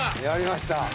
やりました！